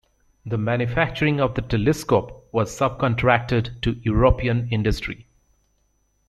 The manufacturing of the telescope was subcontracted to European industry.